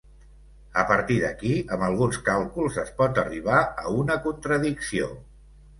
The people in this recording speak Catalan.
A partir d'aquí amb alguns càlculs es pot arribar a una contradicció.